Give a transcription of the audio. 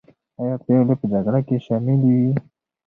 آیا پېغلې په جګړه کې شاملي وې؟